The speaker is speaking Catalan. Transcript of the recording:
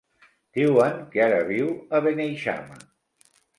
Diuen que ara viu a Beneixama.